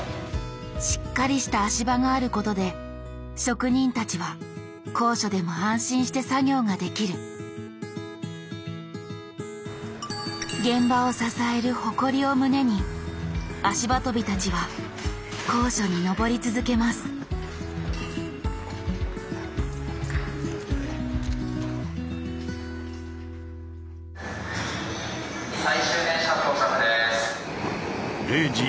しっかりした足場があることで職人たちは高所でも安心して作業ができる現場を支える誇りを胸に足場とびたちは高所に登り続けます「最終電車到着です」。